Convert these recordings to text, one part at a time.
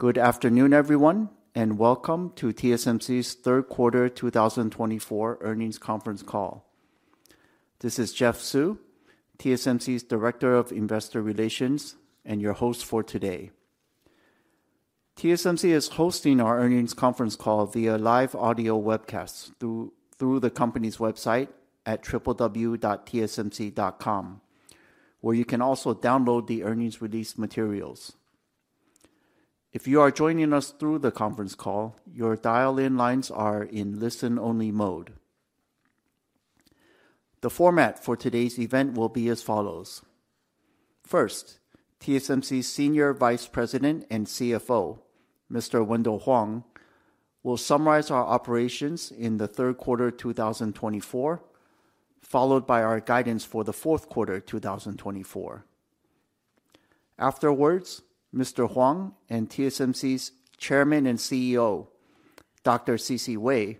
Good afternoon, everyone, and welcome to TSMC's Third Quarter, 2024 Earnings Conference Call. This is Jeff Su, TSMC's Director of Investor Relations, and your host for today. TSMC is hosting our earnings conference call via live audio webcast through the company's website at www.tsmc.com, where you can also download the earnings release materials. If you are joining us through the conference call, your dial-in lines are in listen-only mode. The format for today's event will be as follows: First, TSMC's Senior Vice President and CFO, Mr. Wendell Huang, will summarize our operations in the third quarter, 2024, followed by our guidance for the fourth quarter, 2024. Afterwards, Mr. Huang and TSMC's Chairman and CEO, Dr. C.C. Wei,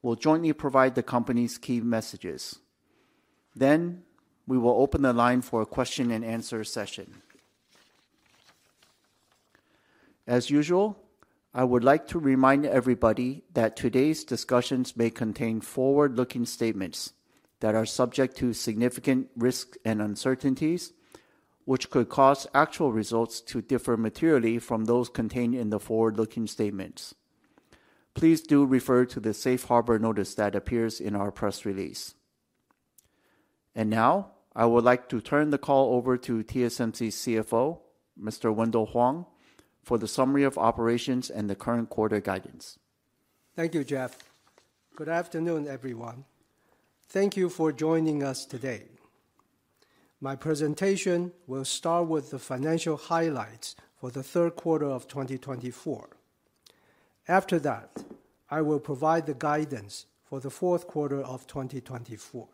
will jointly provide the company's key messages. Then, we will open the line for a question-and-answer session. As usual, I would like to remind everybody that today's discussions may contain forward-looking statements that are subject to significant risks and uncertainties, which could cause actual results to differ materially from those contained in the forward-looking statements. Please do refer to the Safe Harbor notice that appears in our press release. And now, I would like to turn the call over to TSMC's CFO, Mr. Wendell Huang, for the summary of operations and the current quarter guidance. Thank you, Jeff. Good afternoon, everyone. Thank you for joining us today. My presentation will start with the financial highlights for the third quarter of 2024. After that, I will provide the guidance for the fourth quarter of 2024.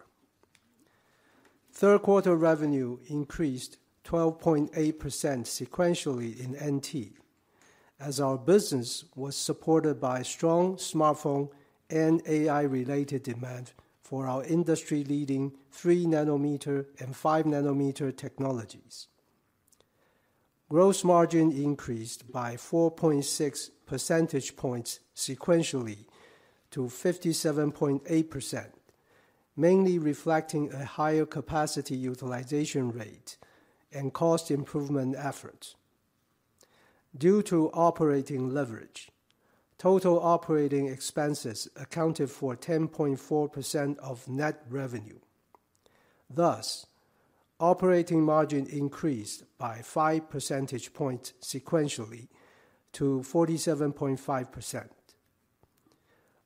Third quarter revenue increased 12.8% sequentially in NT, as our business was supported by strong smartphone and AI-related demand for our industry-leading three-nanometer and five-nanometer technologies. Gross margin increased by 4.6 percentage points sequentially to 57.8%, mainly reflecting a higher capacity utilization rate and cost improvement efforts. Due to operating leverage, total operating expenses accounted for 10.4% of net revenue. Thus, operating margin increased by 5 percentage points sequentially to 47.5%.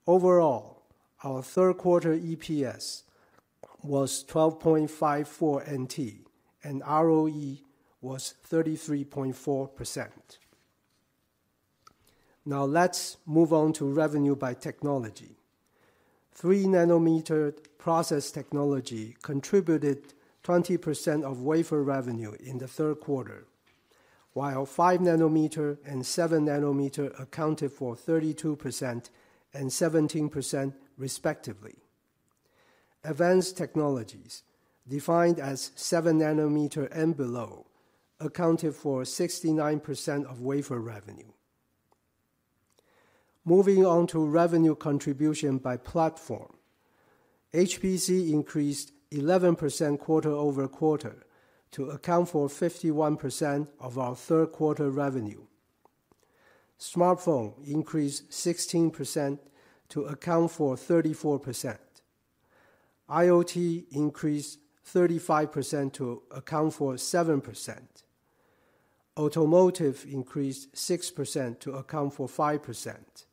Overall, our third quarter EPS was NTD 12.54, and ROE was 33.4%. Now, let's move on to revenue by technology. three-nanometer process technology contributed 20% of wafer revenue in the third quarter, while five-nanometer and seven-nanometer accounted for 32% and 17% respectively. Advanced technologies, defined as seven-nanometer and below, accounted for 69% of wafer revenue. Moving on to revenue contribution by platform. HPC increased 11% quarter-over-quarter to account for 51% of our third quarter revenue. Smartphone increased 16% to account for 34%. IoT increased 35% to account for 7%. Automotive increased 6% to account for 5%.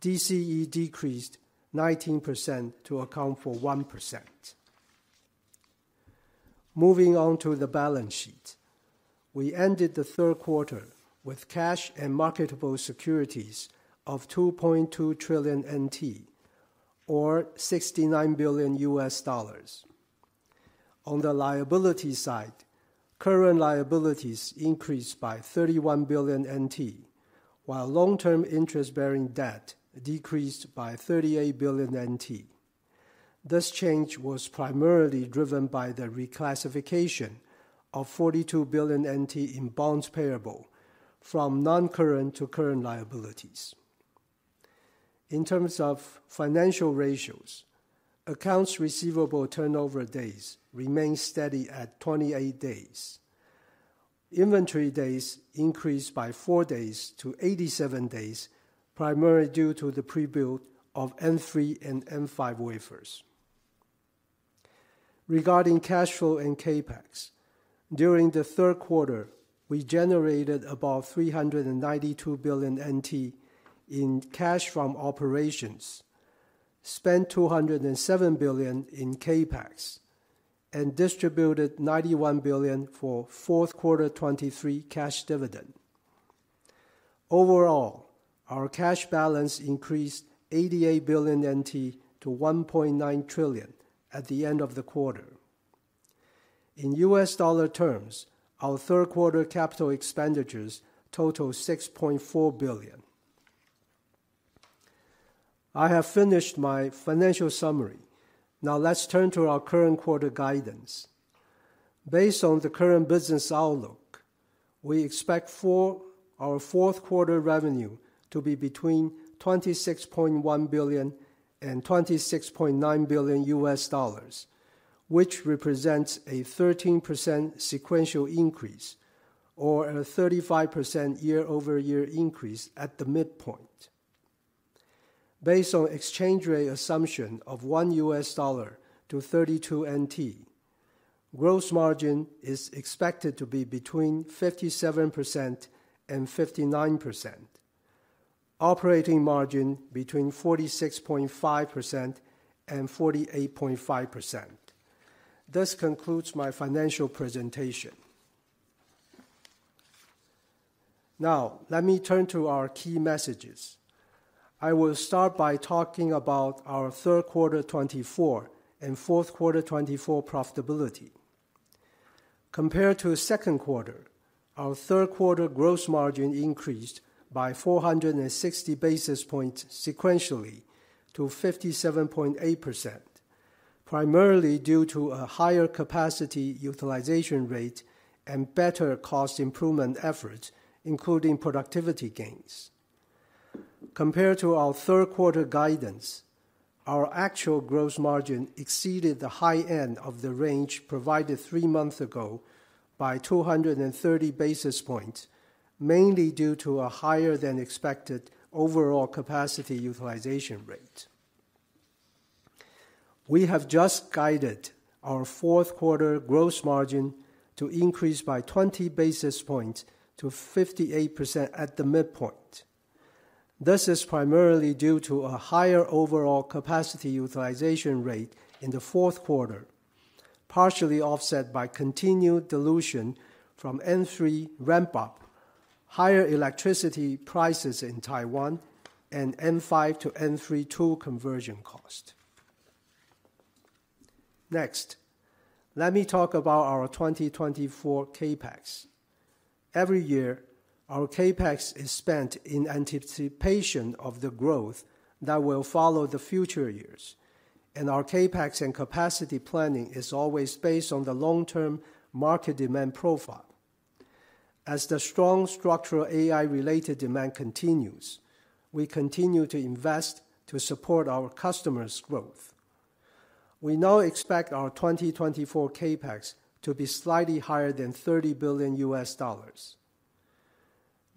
DCE decreased 19% to account for 1%. Moving on to the balance sheet. We ended the third quarter with cash and marketable securities of NTD 2.2 trillion, or $69 billion. On the liability side, current liabilities increased by NTD 31 billion, while long-term interest-bearing debt decreased by NTD 38 billion. This change was primarily driven by the reclassification of NTD 42 billion in bonds payable from non-current to current liabilities. In terms of financial ratios, accounts receivable turnover days remain steady at 28 days. Inventory days increased by four days to 87 days, primarily due to the pre-build of N3 and N5 wafers. Regarding cash flow and CapEx, during the third quarter, we generated about NTD 392 billion in cash from operations, spent NTD 207 billion in CapEx, and distributed NTD 91 billion for fourth quarter 2023 cash dividend. Overall, our cash balance increased NTD 88 billion to 1.9 trillion at the end of the quarter. In U.S. dollar terms, our third quarter capital expenditures totaled $6.4 billion. I have finished my financial summary. Now, let's turn to our current quarter guidance. Based on the current business outlook, we expect our fourth quarter revenue to be between $26.1 billion and $26.9 billion, which represents a 13% sequential increase or a 35% year-over-year increase at the midpoint. Based on exchange rate assumption of one U.S. dollar to 32 NT, gross margin is expected to be between 57% and 59%, operating margin between 46.5% and 48.5%. This concludes my financial presentation. Now, let me turn to our key messages. I will start by talking about our third quarter 2024 and fourth quarter 2024 profitability. Compared to second quarter, our third quarter gross margin increased by 460 basis points sequentially to 57.8%, primarily due to a higher capacity utilization rate and better cost improvement efforts, including productivity gains. Compared to our third quarter guidance, our actual gross margin exceeded the high end of the range provided three months ago by 230 basis points, mainly due to a higher-than-expected overall capacity utilization rate. We have just guided our fourth quarter gross margin to increase by 20 basis points to 58% at the midpoint. This is primarily due to a higher overall capacity utilization rate in the fourth quarter, partially offset by continued dilution from N3 ramp-up, higher electricity prices in Taiwan, and N5 to N3 tool conversion cost. Next, let me talk about our 2024 CapEx. Every year, our CapEx is spent in anticipation of the growth that will follow the future years, and our CapEx and capacity planning is always based on the long-term market demand profile. As the strong structural AI-related demand continues, we continue to invest to support our customers' growth. We now expect our 2024 CapEx to be slightly higher than $30 billion.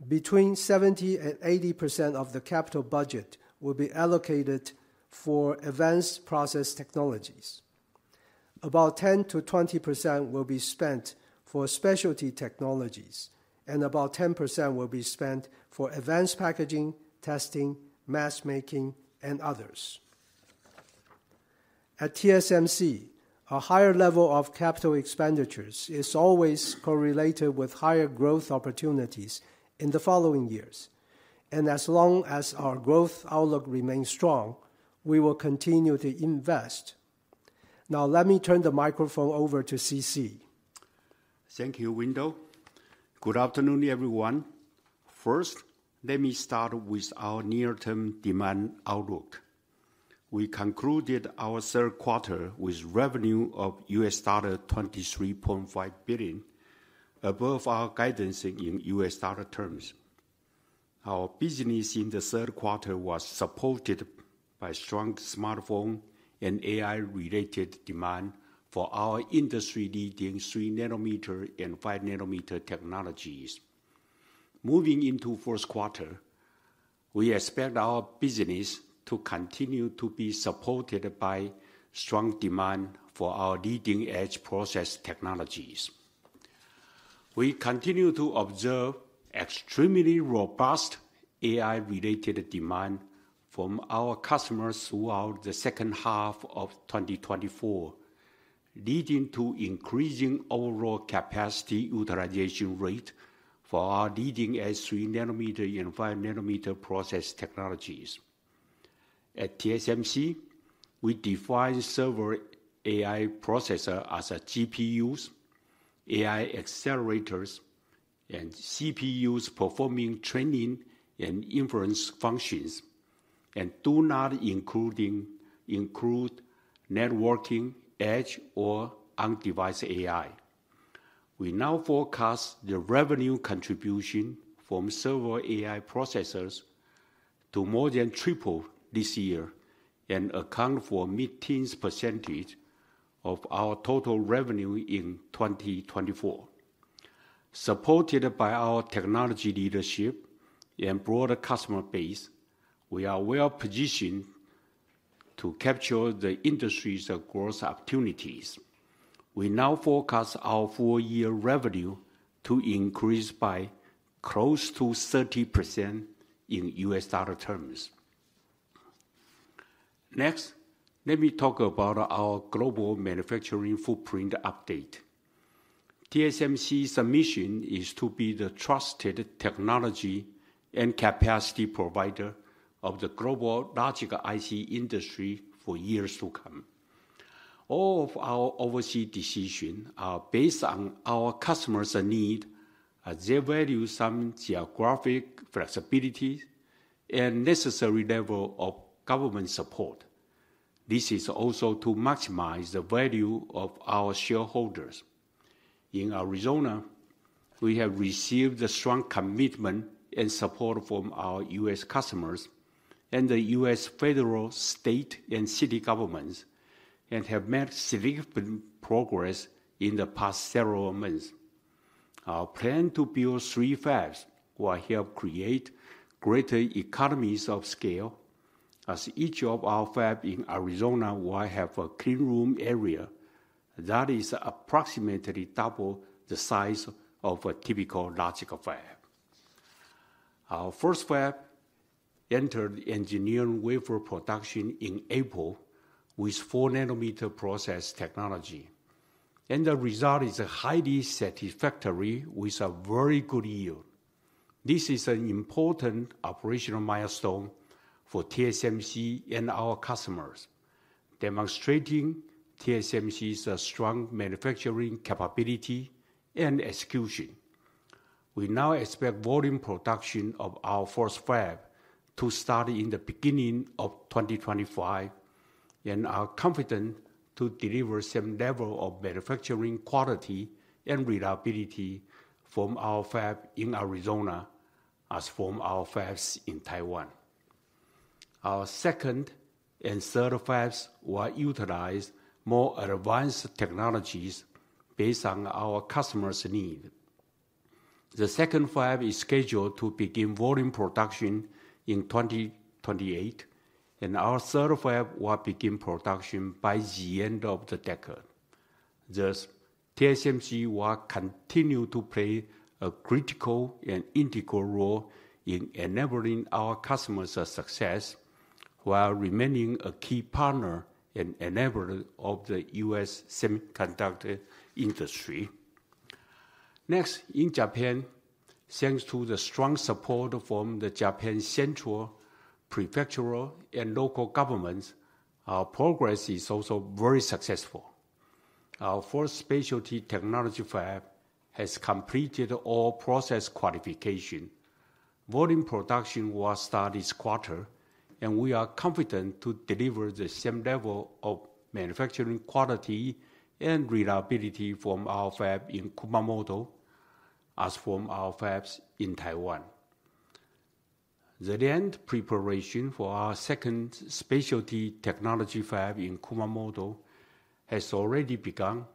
Between 70% and 80% of the capital budget will be allocated for advanced process technologies. About 10%-20% will be spent for specialty technologies, and about 10% will be spent for advanced packaging, testing, mask making, and others. At TSMC, a higher level of capital expenditures is always correlated with higher growth opportunities in the following years, and as long as our growth outlook remains strong, we will continue to invest. Now, let me turn the microphone over to C.C. Thank you, Wendell. Good afternoon, everyone. First, let me start with our near-term demand outlook. We concluded our third quarter with revenue of $23.5 billion, above our guidance in U.S. dollar terms. Our business in the third quarter was supported by strong smartphone and AI-related demand for our industry-leading three-nanometer and five-nanometer technologies. Moving into first quarter, we expect our business to continue to be supported by strong demand for our leading-edge process technologies. We continue to observe extremely robust AI-related demand from our customers throughout the second half of 2024, leading to increasing overall capacity utilization rate for our leading-edge three-nanometer and five-nanometer process technologies. At TSMC, we define server AI processor as GPUs, AI accelerators, and CPUs performing training and inference functions and do not include networking, edge, or on-device AI. We now forecast the revenue contribution from server AI processors to more than triple this year and account for mid-teens percentage of our total revenue in 2024. Supported by our technology leadership and broader customer base, we are well-positioned to capture the industry's growth opportunities. We now forecast our full year revenue to increase by close to 30% in U.S. dollar terms. Next, let me talk about our global manufacturing footprint update. TSMC's mission is to be the trusted technology and capacity provider of the global logic IC industry for years to come. All of our overseas decisions are based on our customers' need. They value some geographic flexibility and necessary level of government support. This is also to maximize the value of our shareholders. In Arizona, we have received a strong commitment and support from our U.S. customers and the U.S. federal, state, and city governments, and have made significant progress in the past several months. Our plan to build three fabs will help create greater economies of scale, as each of our fab in Arizona will have a clean room area that is approximately double the size of a typical logic fab. Our first fab entered engineering wafer production in April with four-nanometer process technology, and the result is highly satisfactory with a very good yield. This is an important operational milestone for TSMC and our customers, demonstrating TSMC's strong manufacturing capability and execution. We now expect volume production of our first fab to start in the beginning of 2025, and are confident to deliver same level of manufacturing quality and reliability from our fab in Arizona as from our fabs in Taiwan. Our second and third fabs will utilize more advanced technologies based on our customers' need. The second fab is scheduled to begin volume production in 2028, and our third fab will begin production by the end of the decade. Thus, TSMC will continue to play a critical and integral role in enabling our customers' success, while remaining a key partner and enabler of the U.S. semiconductor industry. Next, in Japan, thanks to the strong support from the Japanese central, prefectural, and local governments, our progress is also very successful. Our fourth specialty technology fab has completed all process qualification. Volume production will start this quarter, and we are confident to deliver the same level of manufacturing quality and reliability from our fab in Kumamoto as from our fabs in Taiwan. The land preparation for our second specialty technology fab in Kumamoto has already begun,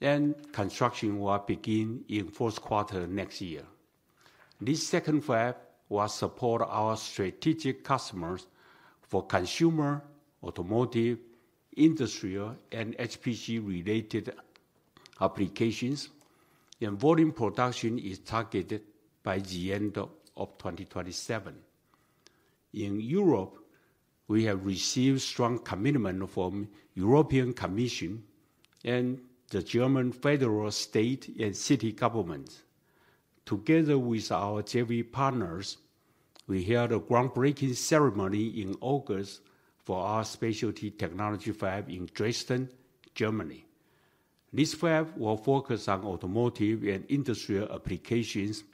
and construction will begin in fourth quarter next year. This second fab will support our strategic customers for consumer, automotive, industrial, and HPC-related applications, and volume production is targeted by the end of 2027. In Europe, we have received strong commitment from European Commission and the German federal, state, and city governments. Together with our JV partners, we held a groundbreaking ceremony in August for our specialty technology fab in Dresden, Germany. This fab will focus on automotive and industrial applications,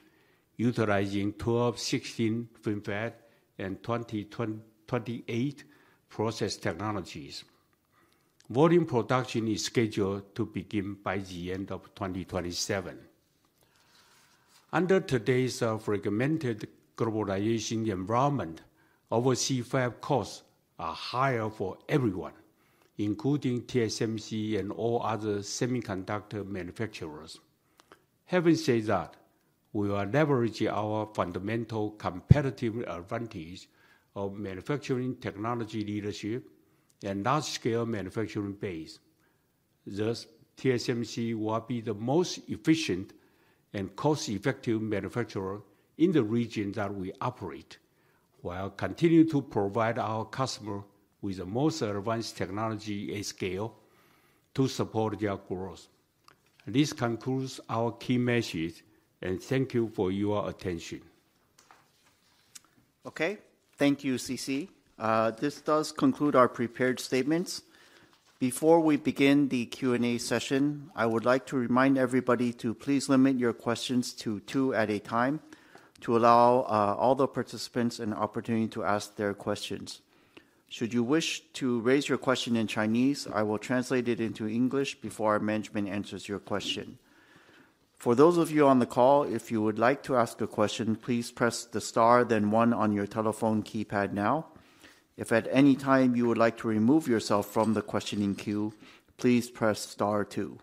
utilizing 12, 16 FinFET and 28 process technologies. Volume production is scheduled to begin by the end of 2027. Under today's fragmented globalization environment, overseas fab costs are higher for everyone, including TSMC and all other semiconductor manufacturers. Having said that, we will leverage our fundamental competitive advantage of manufacturing technology leadership and large-scale manufacturing base. Thus, TSMC will be the most efficient and cost-effective manufacturer in the regions that we operate, while continuing to provide our customer with the most advanced technology and scale to support their growth. This concludes our key message, and thank you for your attention. Okay. Thank you, C.C. This does conclude our prepared statements. Before we begin the Q&A session, I would like to remind everybody to please limit your questions to two at a time, to allow all the participants an opportunity to ask their questions. Should you wish to raise your question in Chinese, I will translate it into English before our management answers your question. For those of you on the call, if you would like to ask a question, please press the star, then one on your telephone keypad now. If at any time you would like to remove yourself from the questioning queue, please press star two.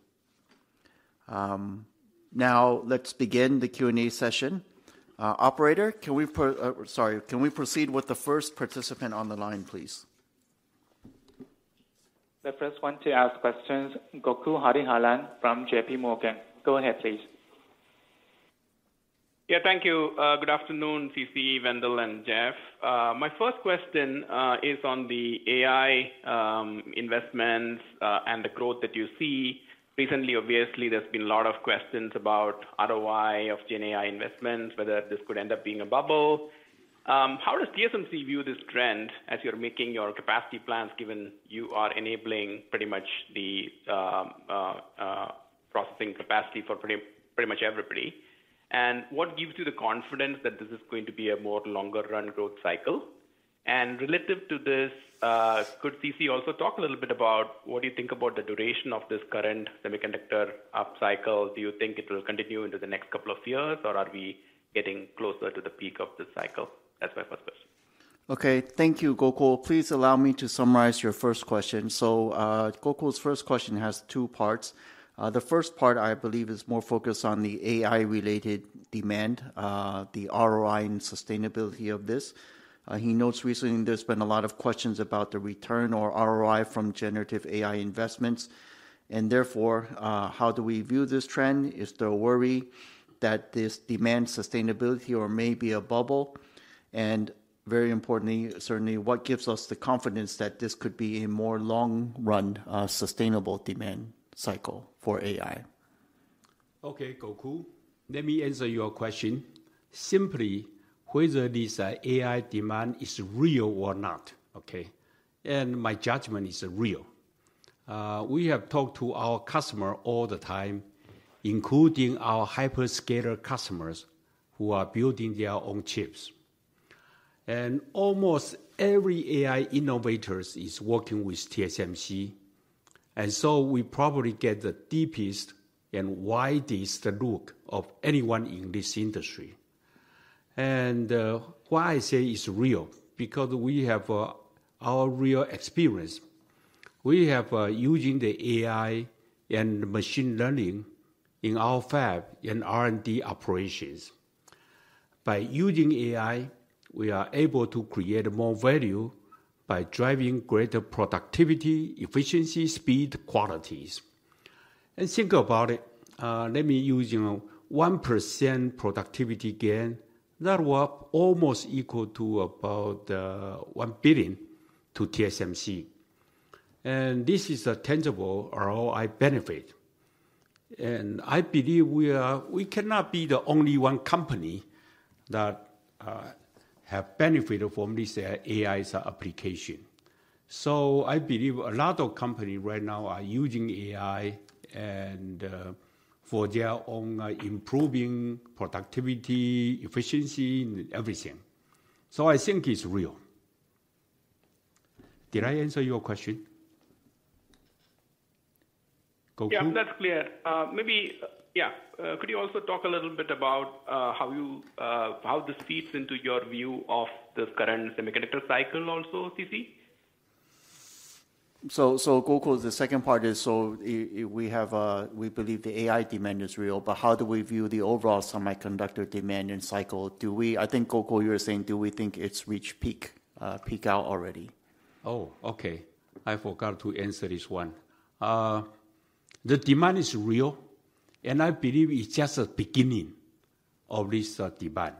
Now, let's begin the Q&A session. Operator, sorry, can we proceed with the first participant on the line, please? The first one to ask questions, Gokul Hariharan from J.P. Morgan. Go ahead, please. Yeah, thank you. Good afternoon, C.C., Wendell, and Jeff. My first question is on the AI investments and the growth that you see. Recently, obviously, there's been a lot of questions about ROI of Gen AI investments, whether this could end up being a bubble... How does TSMC view this trend as you're making your capacity plans, given you are enabling pretty much the processing capacity for pretty much everybody? And what gives you the confidence that this is going to be a more longer run growth cycle? And relative to this, could C.C. also talk a little bit about what do you think about the duration of this current semiconductor upcycle? Do you think it will continue into the next couple of years, or are we getting closer to the peak of this cycle? That's my first question. Okay, thank you, Gokul. Please allow me to summarize your first question. Gokul's first question has two parts. The first part, I believe, is more focused on the AI-related demand, the ROI and sustainability of this. He notes recently there's been a lot of questions about the return or ROI from generative AI investments, and therefore, how do we view this trend? Is there a worry that this demand sustainability or may be a bubble? And very importantly, certainly, what gives us the confidence that this could be a more long-run, sustainable demand cycle for AI? Okay, Gokul, let me answer your question. Simply, whether this AI demand is real or not, okay? My judgment is real. We have talked to our customer all the time, including our hyperscaler customers, who are building their own chips. Almost every AI innovators is working with TSMC, and so we probably get the deepest and widest look of anyone in this industry. Why I say it's real, because we have our real experience. We have using the AI and machine learning in our fab in R&D operations. By using AI, we are able to create more value by driving greater productivity, efficiency, speed, qualities. Think about it, let me use, you know, 1% productivity gain, that were almost equal to about one billion to TSMC. This is a tangible ROI benefit. And I believe we cannot be the only one company that have benefited from this AI's application. So I believe a lot of company right now are using AI and for their own improving productivity, efficiency, and everything. So I think it's real. Did I answer your question? Gokul? Yeah, that's clear. Maybe... Yeah, could you also talk a little bit about how this feeds into your view of this current semiconductor cycle also, C.C.? So, Gokul, the second part is, we have, we believe the AI demand is real, but how do we view the overall semiconductor demand and cycle? Do we? I think, Gokul, you're saying, do we think it's reached peak, peaked out already? Oh, okay. I forgot to answer this one. The demand is real, and I believe it's just a beginning of this demand.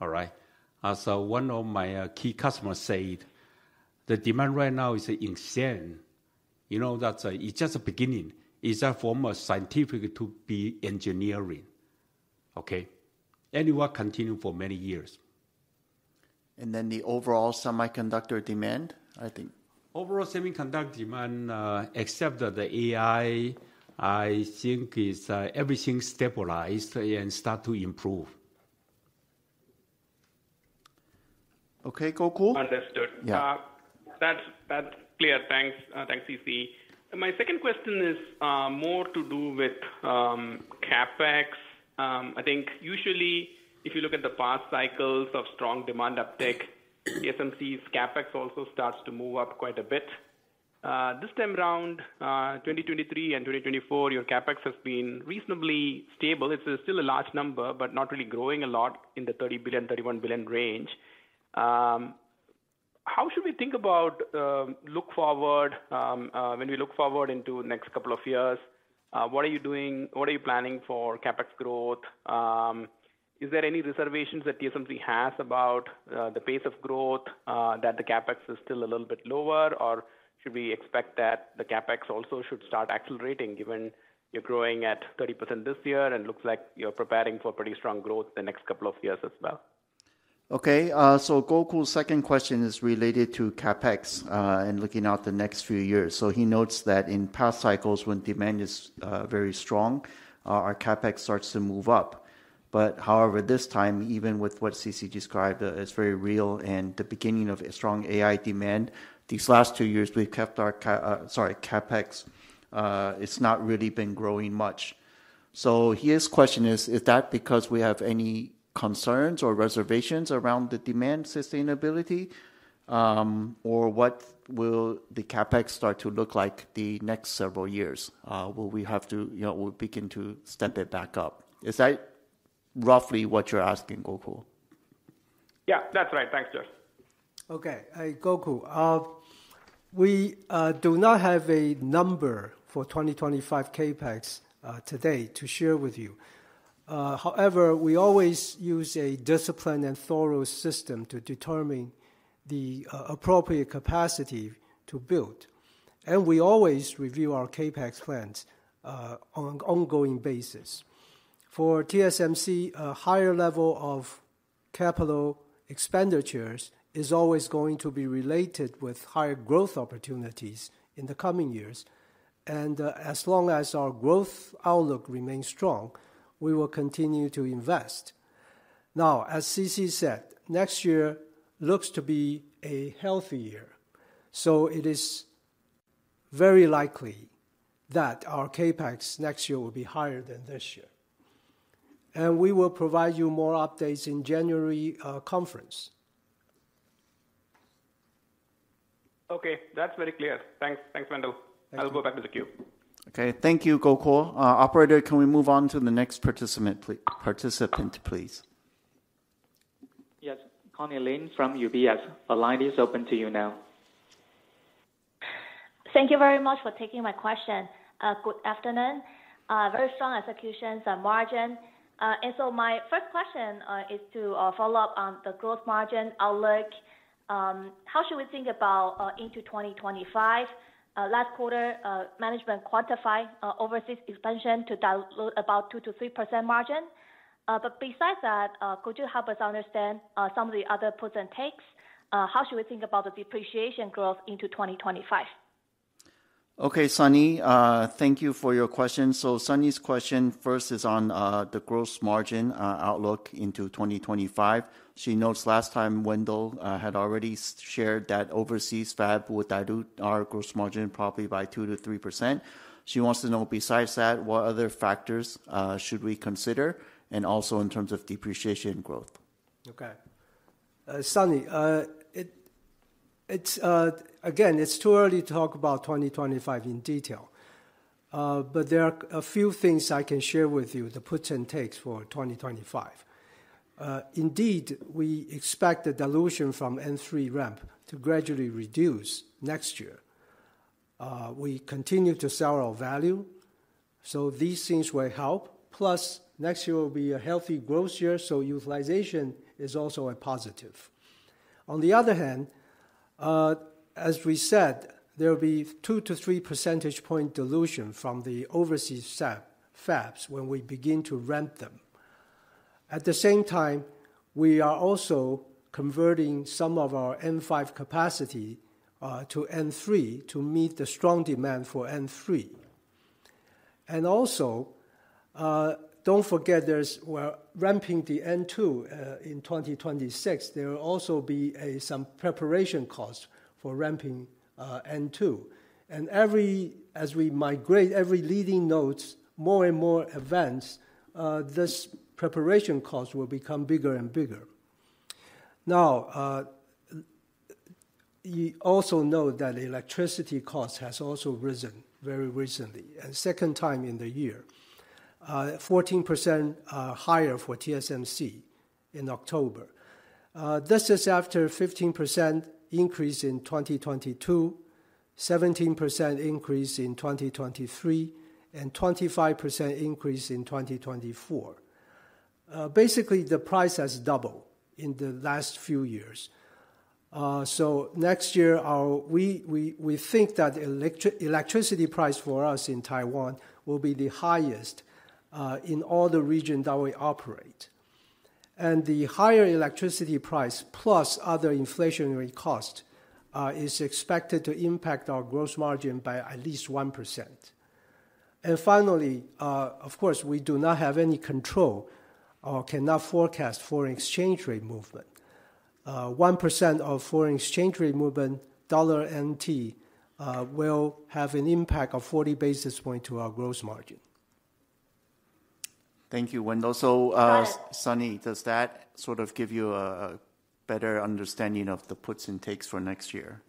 All right? So one of my key customers said, "The demand right now is insane." You know, that's it's just the beginning. It's a form of Sci-Fi to reality engineering, okay? And it will continue for many years. And then the overall semiconductor demand, I think. Overall semiconductor demand, except the AI, I think is everything stabilized and start to improve. Okay, Gokul? Understood. Yeah. That's clear. Thanks, C.C. My second question is more to do with CapEx. I think usually, if you look at the past cycles of strong demand uptick, TSMC's CapEx also starts to move up quite a bit. This time around, 2023 and 2024, your CapEx has been reasonably stable. It's still a large number, but not really growing a lot in the $30 billion-$31 billion range. How should we think about when we look forward into the next couple of years, what are you doing? What are you planning for CapEx growth? Is there any reservations that TSMC has about the pace of growth that the CapEx is still a little bit lower? Or should we expect that the CapEx also should start accelerating, given you're growing at 30% this year and looks like you're preparing for pretty strong growth the next couple of years as well? Okay, so Gokul's second question is related to CapEx and looking out the next few years. So he notes that in past cycles, when demand is very strong, our CapEx starts to move up. But however, this time, even with what C.C. described as very real and the beginning of a strong AI demand, these last two years, we've kept our CapEx, it's not really been growing much. So his question is: Is that because we have any concerns or reservations around the demand sustainability? Or what will the CapEx start to look like the next several years? Will we have to, you know, we'll begin to stand it back up. Is that roughly what you're asking, Gokul? Yeah, that's right. Thanks, Jeff. Okay, Gokul, we do not have a number for 2025 CapEx today to share with you. However, we always use a disciplined and thorough system to determine the appropriate capacity-... to build. And we always review our CapEx plans on an ongoing basis. For TSMC, a higher level of capital expenditures is always going to be related with higher growth opportunities in the coming years, and as long as our growth outlook remains strong, we will continue to invest. Now, as C.C. said, next year looks to be a healthy year, so it is very likely that our CapEx next year will be higher than this year. And we will provide you more updates in January conference. Okay, that's very clear. Thanks. Thanks, Wendell. Thank you. I'll go back to the queue. Okay, thank you, Gokul. Operator, can we move on to the next participant, please? Yes, Sunny Lin from UBS, the line is open to you now. Thank you very much for taking my question. Good afternoon. Very strong executions on margin, and so my first question is to follow up on the growth margin outlook. How should we think about into 2025? Last quarter, management quantified overseas expansion to dilution about 2%-3% margin. But besides that, could you help us understand some of the other puts and takes? How should we think about the depreciation growth into 2025? Okay, Sunny, thank you for your question. So Sunny's question first is on the gross margin outlook into 2025. She notes last time, Wendell had already shared that overseas fab would dilute our gross margin probably by 2%-3%. She wants to know, besides that, what other factors should we consider, and also in terms of depreciation growth? Okay. Sunny, it's too early to talk about 2025 in detail, but there are a few things I can share with you, the puts and takes for 2025. Indeed, we expect the dilution from N3 ramp to gradually reduce next year. We continue to sell our value, so these things will help. Plus, next year will be a healthy growth year, so utilization is also a positive. On the other hand, as we said, there will be 2-3 percentage point dilution from the overseas fabs when we begin to ramp them. At the same time, we are also converting some of our N5 capacity to N3 to meet the strong demand for N3. Also, don't forget, we're ramping the N2 in 2026. There will also be some preparation costs for ramping N2. As we migrate every leading nodes, more and more advanced, this preparation cost will become bigger and bigger. Now, you also know that the electricity cost has also risen very recently, and second time in the year. 14% higher for TSMC in October. This is after 15% increase in 2022, 17% increase in 2023, and 25% increase in 2024. Basically, the price has doubled in the last few years. So next year, we think that electricity price for us in Taiwan will be the highest, in all the regions that we operate. The higher electricity price, plus other inflationary costs, is expected to impact our gross margin by at least 1%. Finally, of course, we do not have any control or cannot forecast foreign exchange rate movement. 1% foreign exchange rate movement, NT dollar, will have an impact of 40 basis points to our gross margin. Thank you, Wendell. So, Go ahead. Sunny, does that sort of give you a better understanding of the puts and takes for next year?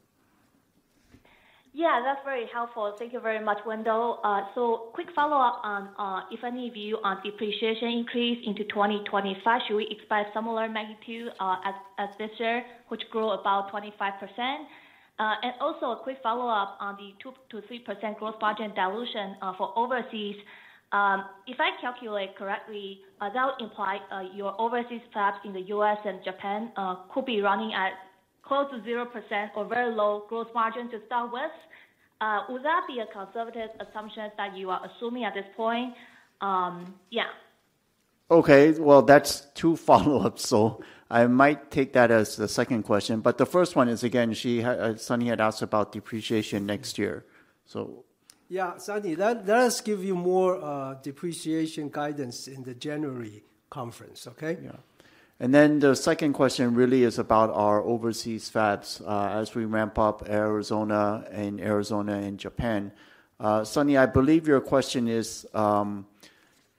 Yeah, that's very helpful. Thank you very much, Wendell. So quick follow-up on if any view on depreciation increase into 2025, should we expect similar magnitude as this year, which grew about 25%? And also a quick follow-up on the 2%-3% gross margin dilution for overseas. If I calculate correctly, that imply your overseas fabs in the U.S. and Japan could be running at close to zero percent or very low gross margin to start with. Would that be a conservative assumption that you are assuming at this point? Yeah. Okay, well, that's two follow-ups, so I might take that as the second question, but the first one is, again, Sunny had asked about depreciation next year. So... Yeah, Sunny, let us give you more depreciation guidance in the January conference, okay? Yeah. And then the second question really is about our overseas fabs, as we ramp up Arizona and Japan. Sunny, I believe your question is,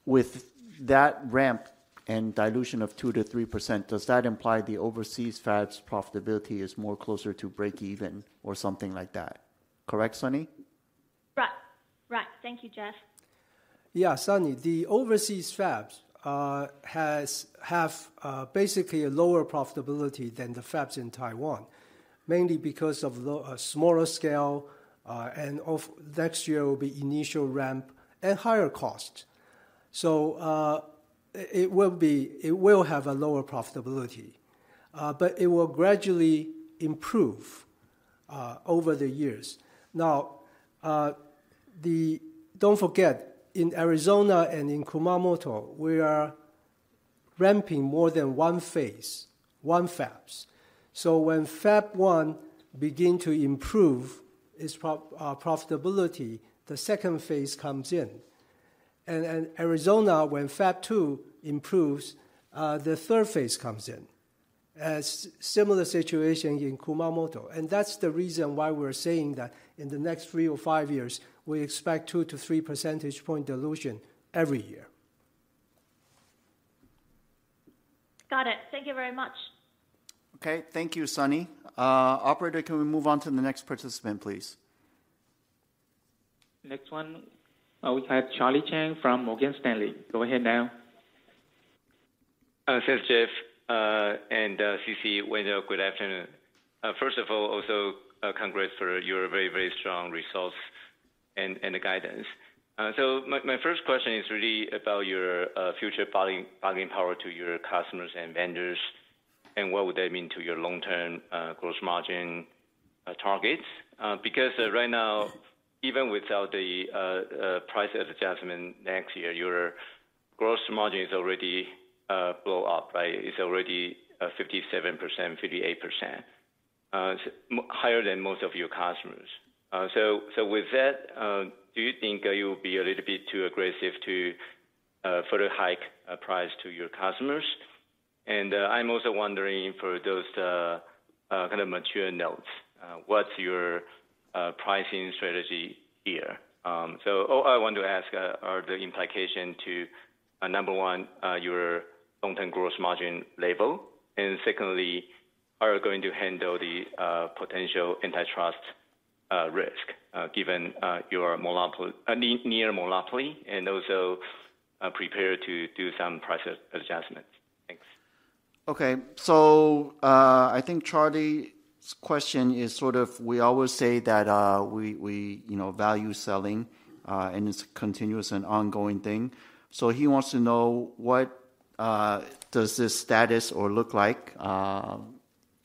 with that ramp and dilution of 2%-3%, does that imply the overseas fabs profitability is more closer to breakeven or something like that? Correct, Sunny? Right. Right. Thank you, Jeff. Yeah, Sunny, the overseas fabs have basically a lower profitability than the fabs in Taiwan, mainly because of the smaller scale, and of next year will be initial ramp and higher costs.... So, it will have a lower profitability, but it will gradually improve over the years. Now, don't forget, in Arizona and in Kumamoto, we are ramping more than one phase, one fabs. So when Fab one begin to improve its profitability, the second phase comes in. And Arizona, when Fab two improves, the third phase comes in. Similar situation in Kumamoto, and that's the reason why we're saying that in the next three or five years, we expect 2-3 percentage point dilution every year. Got it. Thank you very much. Okay, thank you, Sunny. Operator, can we move on to the next participant, please? Next one, we have Charlie Chan from Morgan Stanley. Go ahead now. Thanks, Jeff, and C.C. Wei, good afternoon. First of all, also, congrats for your very, very strong results and the guidance. So my first question is really about your future bargaining power to your customers and vendors, and what would that mean to your long-term gross margin targets? Because right now, even without the price adjustment next year, your gross margin is already blow up, right? It's already 57%-58% higher than most of your customers. So with that, do you think you'll be a little bit too aggressive to further hike price to your customers? And I'm also wondering, for those kind of mature nodes, what's your pricing strategy here? So all I want to ask are the implication to number one your long-term gross margin level, and secondly, how are you going to handle the potential antitrust risk given your monopoly... near monopoly, and also prepare to do some price adjustments? Thanks. Okay. So, I think Charlie's question is sort of we always say that, we, you know, value selling, and it's a continuous and ongoing thing. So he wants to know, what does this status or look like,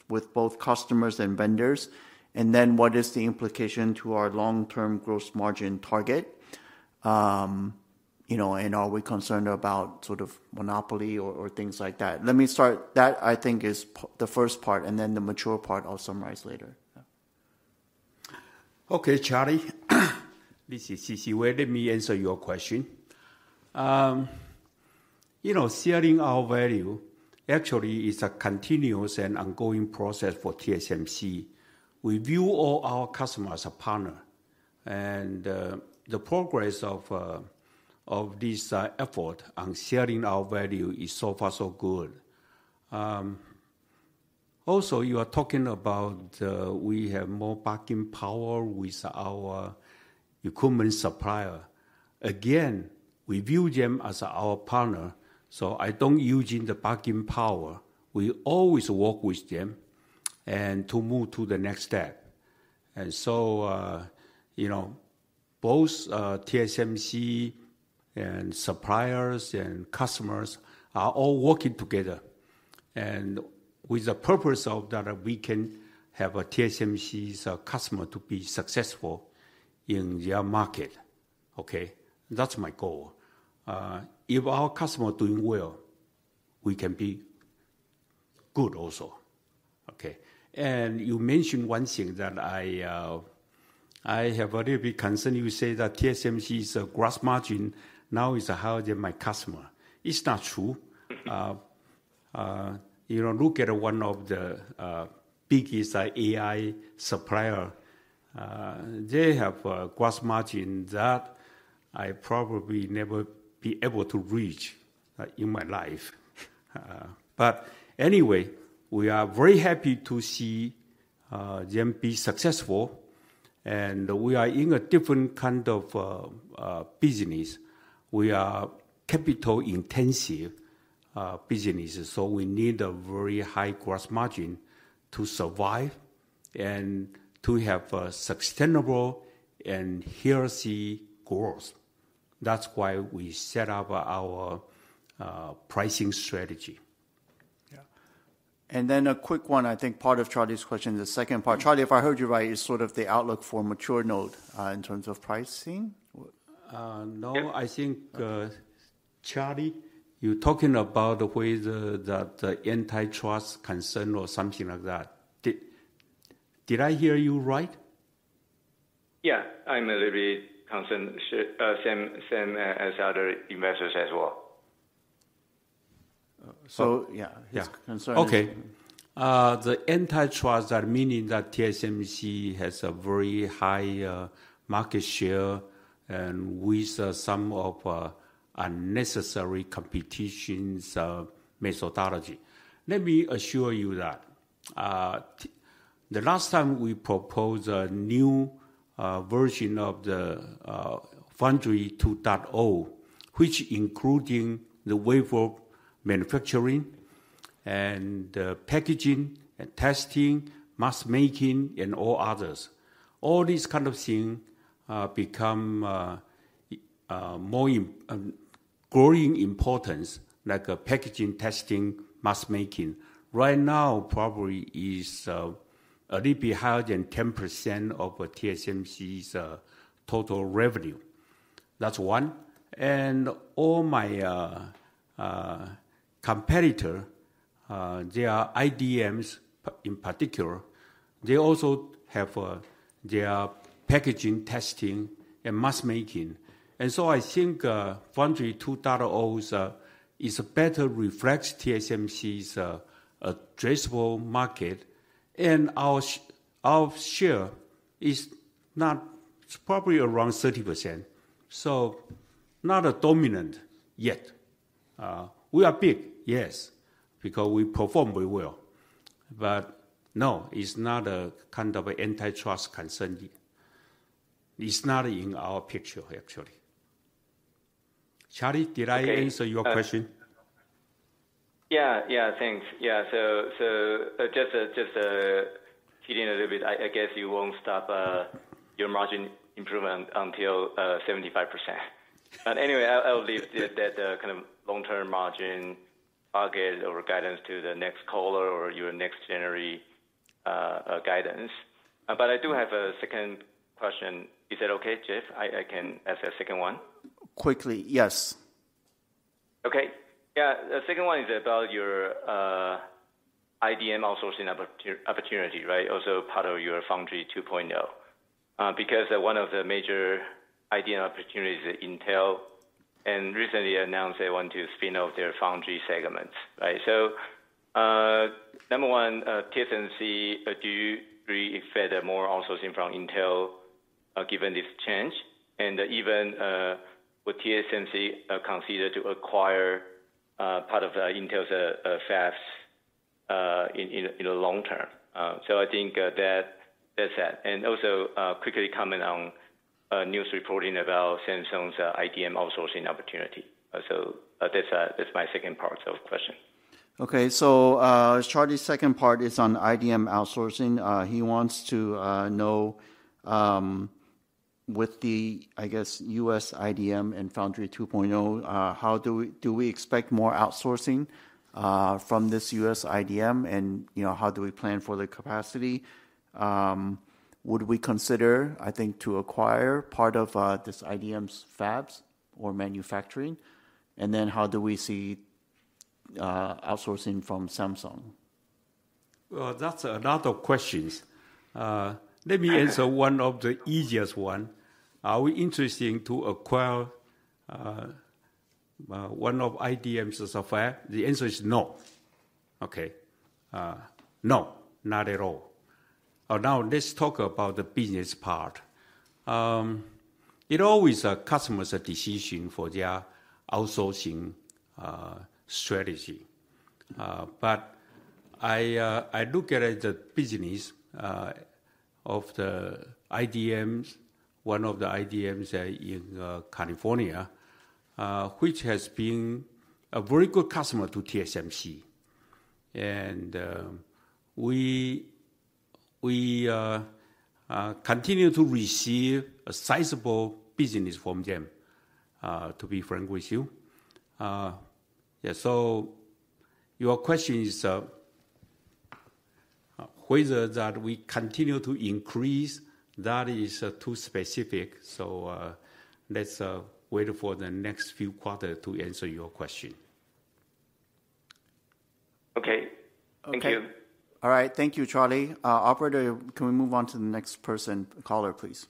with both customers and vendors? And then, what is the implication to our long-term gross margin target? You know, and are we concerned about sort of monopoly or things like that? Let me start. That, I think, is the first part, and then the mature part, I'll summarize later. Okay, Charlie, this is C.C. Wei. Let me answer your question. You know, sharing our value actually is a continuous and ongoing process for TSMC. We view all our customers as a partner, and the progress of this effort on sharing our value is so far so good. Also, you are talking about we have more bargaining power with our equipment supplier. Again, we view them as our partner, so I don't using the bargaining power. We always work with them, and to move to the next step. And so, you know, both TSMC, and suppliers, and customers are all working together, and with the purpose of that we can have a TSMC's customer to be successful in their market. Okay? That's my goal. If our customer doing well, we can be good also. Okay, and you mentioned one thing that I have a little bit concerned. You say that TSMC's gross margin now is higher than my customer. It's not true. You know, look at one of the biggest AI supplier. They have a gross margin that I probably never be able to reach in my life. But anyway, we are very happy to see them be successful, and we are in a different kind of business. We are capital-intensive business, so we need a very high gross margin to survive and to have a sustainable and healthy growth. That's why we set up our pricing strategy. Yeah. And then a quick one, I think part of Charlie's question, the second part. Charlie, if I heard you right, is sort of the outlook for mature node, in terms of pricing? What- No, I think, Okay.... Charlie, you're talking about the way the antitrust concern or something like that. Did I hear you right? Yeah. I'm a little bit concerned, same as other investors as well. So yeah. Yeah... his concern- Okay. The antitrust, that meaning that TSMC has a very high market share and with some of unnecessary competitions methodology. Let me assure you that, the last time we proposed a new version of the Foundry 2.0, which including the wafer manufacturing and packaging and testing, mask making, and all others. All these kind of thing become more important, growing importance, like packaging, testing, mask making. Right now, probably is a little bit higher than 10% of TSMC's total revenue. That's one. And all my competitor they are IDMs in particular. They also have their packaging, testing, and mask making. And so I think Foundry 2.0 is a better reflects TSMC's addressable market. And our share is. It's probably around 30%, so not a dominant yet. We are big, yes, because we perform very well. But no, it's not a kind of antitrust concern yet. It's not in our picture, actually. Charlie, did I answer your question? Yeah, yeah, thanks. Yeah, so, just hitting a little bit. I guess you won't stop your margin improvement until 75%. But anyway, I'll leave that kind of long-term margin target or guidance to the next caller or your next January guidance. But I do have a second question. Is that okay, Jeff? I can ask a second one? Quickly, yes. Okay. Yeah, the second one is about your IDM outsourcing opportunity, right? Also part of your Foundry 2.0. Because one of the major IDM opportunities is Intel, and recently announced they want to spin off their Foundry segments, right? So, number one, TSMC, do you expect more outsourcing from Intel, given this change? And even, would TSMC consider to acquire part of Intel's fabs in the long term? So I think that's that. And also, quickly comment on news reporting about Samsung's IDM outsourcing opportunity. That's my second part of question. Okay. So, Charlie's second part is on IDM outsourcing. He wants to know, with the, I guess, U.S. IDM and Foundry 2.0, how do we-- do we expect more outsourcing from this U.S. IDM? And, you know, how do we plan for the capacity? Would we consider, I think, to acquire part of this IDM's fabs or manufacturing? And then how do we see outsourcing from Samsung? Well, that's a lot of questions. Let me answer one of the easiest one. Are we interested in acquiring one of the IDMs' fabs so far? The answer is no. Okay, no, not at all. Now let's talk about the business part. It's always the customer's decision for their outsourcing strategy. But I look at the business of the IDMs, one of the IDMs in California, which has been a very good customer to TSMC. And we continue to receive a sizable business from them, to be frank with you. Yeah, so your question is whether we continue to increase? That is too specific, so let's wait for the next few quarters to answer your question. Okay. Okay. Thank you. All right. Thank you, Charlie. Operator, can we move on to the next person, caller, please?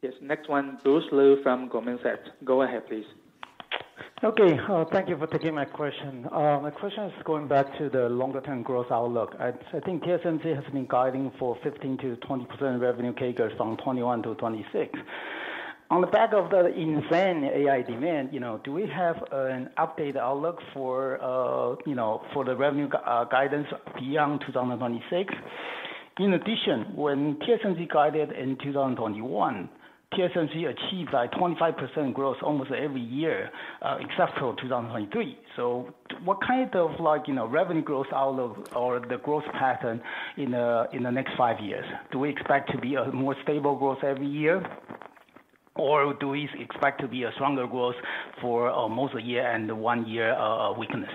Yes. Next one, Bruce Lu from Goldman Sachs. Go ahead, please. Okay. Thank you for taking my question. My question is going back to the longer term growth outlook. I think TSMC has been guiding for 15%-20% revenue CAGR from 2021 to 2026. On the back of the insane AI demand, you know, do we have an updated outlook for, you know, for the revenue guidance beyond 2026? In addition, when TSMC guided in 2021, TSMC achieved, like, 25% growth almost every year, except for 2023. So what kind of, like, you know, revenue growth outlook or the growth pattern in the next five years? Do we expect to be a more stable growth every year, or do we expect to be a stronger growth for most of the years and one year weakness?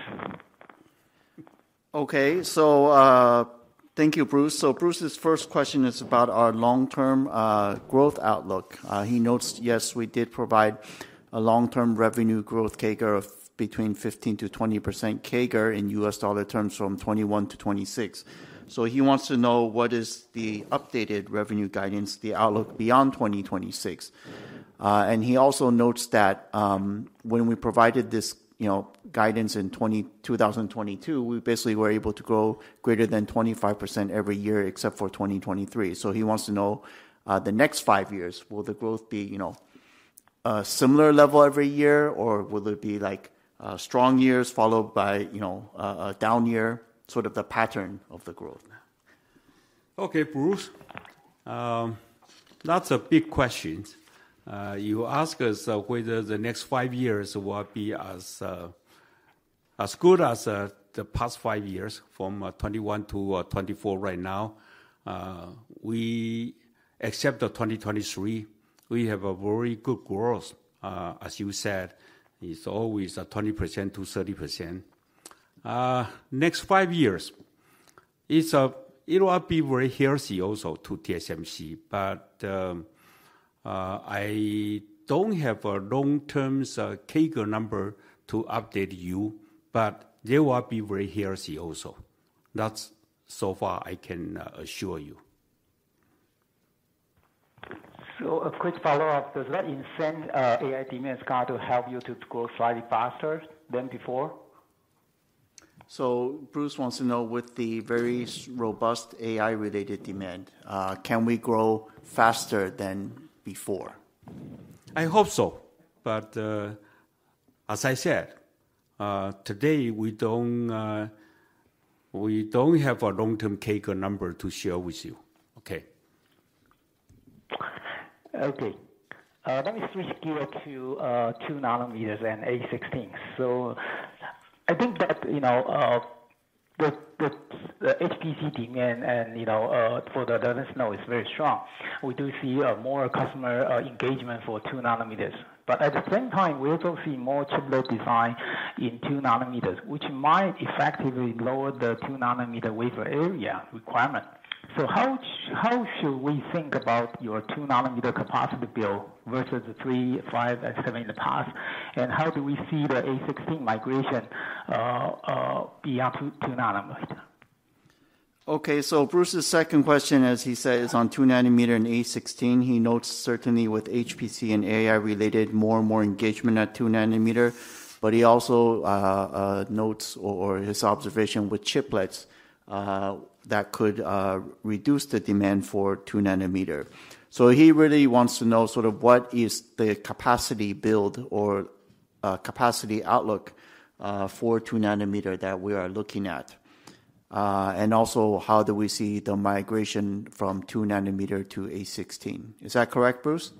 Okay. So, thank you, Bruce. So Bruce's first question is about our long-term growth outlook. He notes, yes, we did provide a long-term revenue growth CAGR of between 15%-20% CAGR in U.S. dollar terms from 2021 to 2026. So he wants to know what is the updated revenue guidance, the outlook beyond 2026, and he also notes that, when we provided this, you know, guidance in 2022, we basically were able to grow greater than 25% every year except for 2023. So he wants to know, the next five years, will the growth be, you know, a similar level every year, or will it be like, strong years followed by, you know, a down year, sort of the pattern of the growth?... Okay, Bruce. That's a big question. You ask us whether the next five years will be as good as the past five years, from 2021 to 2024 right now. Except the 2023, we have a very good growth. As you said, it's always 20%-30%. Next five years, it's, it will be very healthy also to TSMC, but I don't have a long-term CAGR number to update you, but they will be very healthy also. That's so far I can assure you. So a quick follow-up: Does that insane AI demand start to help you to grow slightly faster than before? Bruce wants to know, with the very robust AI-related demand, can we grow faster than before? I hope so. But, as I said, today, we don't have a long-term CAGR number to share with you. Okay. Okay. Let me switch gear to two nanometers and A16. So I think that, you know, the HPC demand and, you know, for the data center is very strong. We do see more customer engagement for two nanometers. But at the same time, we also see more chiplet design in two nanometers, which might effectively lower the two-nanometer wafer area requirement. So how should we think about your two-nanometer capacity build versus the three, five, and seven in the past? And how do we see the A16 migration beyond two-nanometer? Okay, so Bruce's second question, as he said, is on two-nanometer and A16. He notes certainly with HPC and AI related, more and more engagement at two nanometer. But he also notes or his observation with chiplets that could reduce the demand for two-nanometer. So he really wants to know sort of what is the capacity build or capacity outlook for two nanometer that we are looking at. And also, how do we see the migration from two nanometer to A16? Is that correct, Bruce?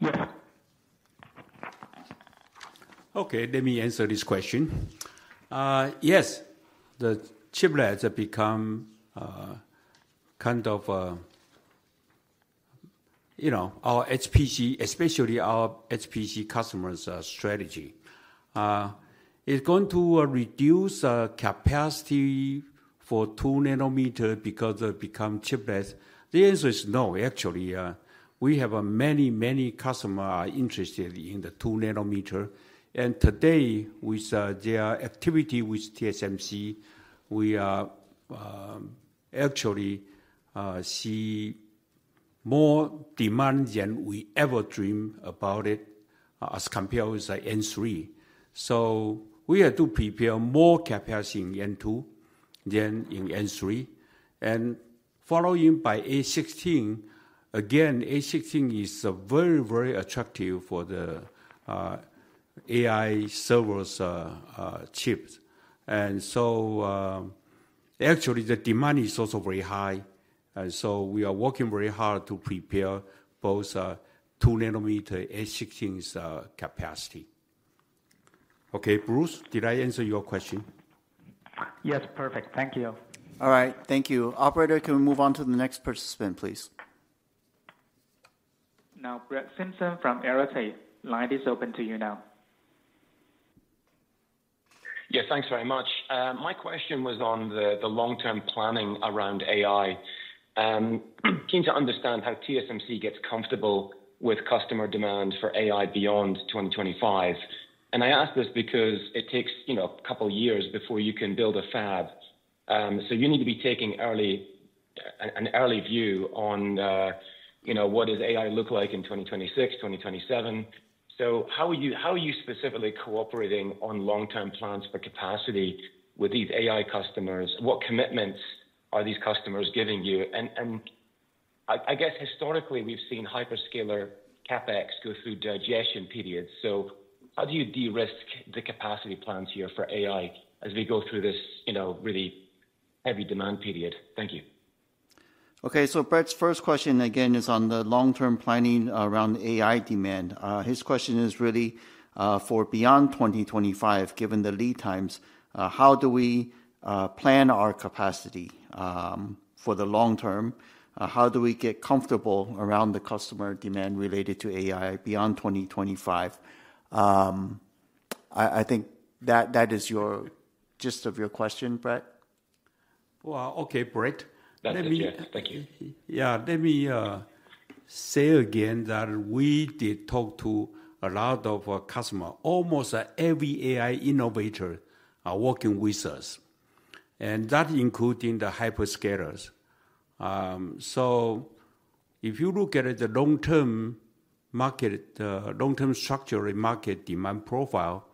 Yeah. Okay, let me answer this question. Yes, the chiplets have become kind of, you know, our HPC, especially our HPC customers', strategy. Is it going to reduce capacity for two-nanometer because they become chiplets? The answer is no. Actually, we have many, many customer are interested in the two-nanometer. And today, with their activity with TSMC, we are actually see more demand than we ever dream about it as compared with the N3. So we had to prepare more capacity in N2 than in N3, and following by A16. Again, A16 is very, very attractive for the AI servers chips. And so, actually the demand is also very high, and so we are working very hard to prepare both two nanometer A16's capacity. Okay, Bruce, did I answer your question? Yes, perfect. Thank you. All right, thank you. Operator, can we move on to the next participant, please? Now, Brett Simpson from Arete, line is open to you now. Yeah, thanks very much. My question was on the long-term planning around AI. Keen to understand how TSMC gets comfortable with customer demand for AI beyond 2025. And I ask this because it takes, you know, a couple years before you can build a fab. So you need to be taking an early view on, you know, what does AI look like in 2026, 2027. So how are you specifically cooperating on long-term plans for capacity with these AI customers? What commitments are these customers giving you? And I guess historically, we've seen hyperscaler CapEx go through digestion periods. So how do you de-risk the capacity plans here for AI as we go through this, you know, really heavy demand period? Thank you. Okay. So Brett's first question, again, is on the long-term planning around AI demand. His question is really, for beyond 2025, given the lead times, how do we plan our capacity for the long term? How do we get comfortable around the customer demand related to AI beyond 2025? I think that is your gist of your question, Brett? Well, okay, Brett. That's it, yeah. Thank you. Yeah. Let me say again that we did talk to a lot of customer. Almost every AI innovator are working with us, and that including the hyperscalers. So if you look at the long-term market, long-term structural market demand profile,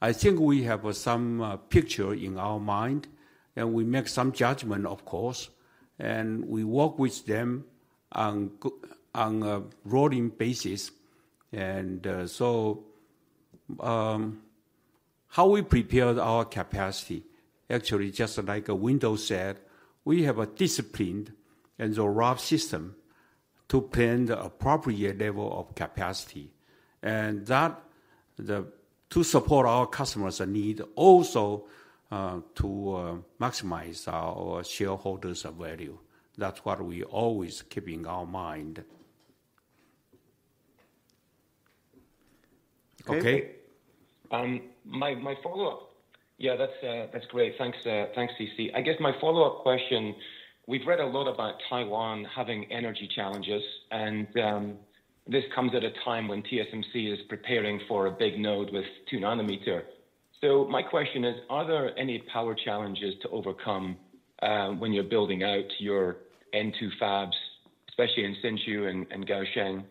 I think we have some picture in our mind, and we make some judgment, of course, and we work with them on a rolling basis. So how we prepared our capacity? Actually, just like Wendell said, we have a disciplined and a rough system to plan the appropriate level of capacity, and that to support our customers' need also to maximize our shareholders' value. That's what we always keep in our mind. Okay? Okay. My follow-up. Yeah, that's great. Thanks, C.C. I guess my follow-up question: We've read a lot about Taiwan having energy challenges, and this comes at a time when TSMC is preparing for a big node with two nanometer. So my question is, are there any power challenges to overcome when you're building out your N2 fabs, especially in Hsinchu and Kaohsiung?